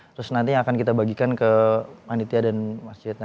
terus nanti yang akan kita bagikan ke anitya dan mas cietna